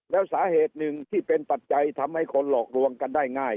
แล้วสาเหตุหนึ่งที่เป็นปัจจัยทำให้คนหลอกลวงกันได้ง่าย